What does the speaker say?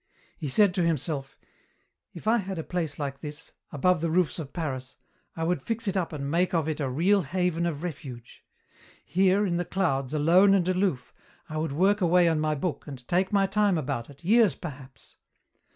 He said to himself, "If I had a place like this, above the roofs of Paris, I would fix it up and make of it a real haven of refuge. Here, in the clouds, alone and aloof, I would work away on my book and take my time about it, years perhaps.